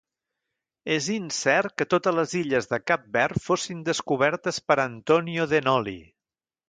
És incert que totes les illes de Cap Verd fossin descobertes per Antonio de Noli.